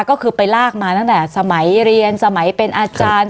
ก็คือไปลากมาตั้งแต่สมัยเรียนสมัยเป็นอาจารย์